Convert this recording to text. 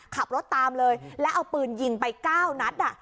ขับรถตามเลยแล้วเอาปืนยิงไป๙นัด